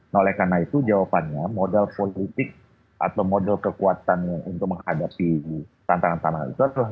nah oleh karena itu jawabannya modal politik atau model kekuatannya untuk menghadapi tantangan tantangan itu adalah